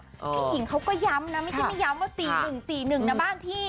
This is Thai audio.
พี่หญิงเขาก็ย้ำนะไม่ใช่ไม่ย้ำว่า๔๑๔๑นะบ้านพี่